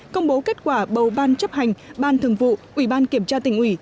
công bố kết quả bầu ban chấp hành ban thường vụ ủy ban kiểm tra tỉnh ủy